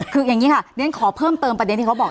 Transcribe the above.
คืออย่างนี้ค่ะเรียนขอเพิ่มเติมประเด็นที่เขาบอก